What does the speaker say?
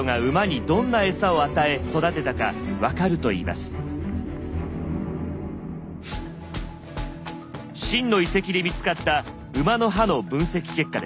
秦の遺跡で見つかった馬の歯の分析結果です。